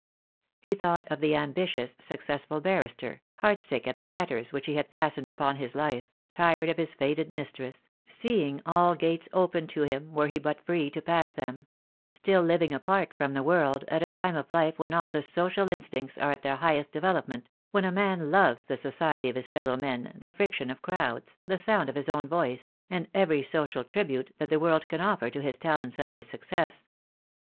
He thought of the ambitious, successful barrister, heart sick at the fetters which he had fastened upon his life, tired of his faded mistress, seeing all gates open to him were he but free to pass them; still living apart from the world, at a time of life when all the social instincts are at their highest develop ment, when a man loves the society of his fellowmen, the friction of crowds, the sound of his own voice, and 78 THE DAY WILL COME, every social tribute that the world can offer to his talents and his success.